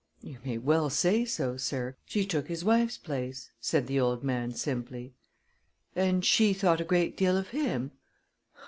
"You may well say so, sir; she took his wife's place," said the old man simply. "And she thought a great deal of him?"